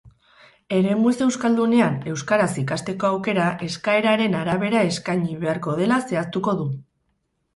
Eremu ez euskaldunean euskaraz ikasteko aukera eskaeraren arabera eskaini beharko dela zehaztuko du.